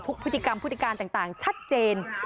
พฤติกรรมพฤติการต่างชัดเจน